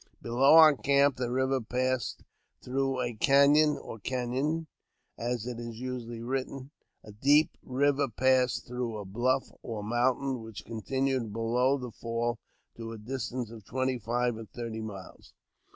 Below our camp, the river passed through a canyon, or canon, as it is usually written, a deep river pass through a bluff or mountain, which continued below the fall to a distance of twenty five or thirty miles.